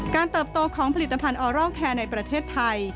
เติบโตของผลิตภัณฑ์ออรอลแคร์ในประเทศไทย